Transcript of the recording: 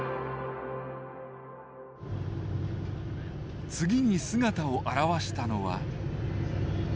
次に姿を現したのは。